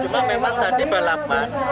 cuma memang tadi balapan